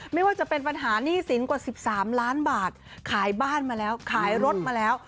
ไม่ว่าจะเป็นปัญหาหนี้สินกว่า๑๓ล้านบาทขายบ้านมาแล้วขายรถมาแล้ว